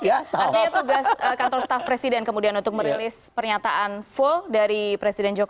artinya tugas kantor staf presiden kemudian untuk merilis pernyataan full dari presiden jokowi